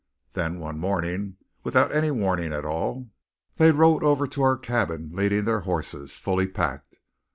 Then one morning, without any warning at all, they rode over to our cabin, leading their horses, fully packed.